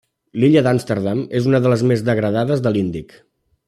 L'illa d'Amsterdam és una de les més degradades de l'Índic.